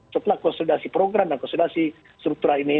setelah konsolidasi program dan konsolidasi struktural ini